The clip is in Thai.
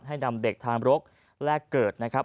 นำเด็กทามรกแลกเกิดนะครับ